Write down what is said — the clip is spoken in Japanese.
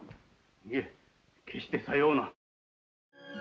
いえ決してさような。